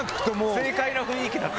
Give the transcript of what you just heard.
正解の雰囲気だった。